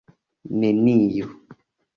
neniu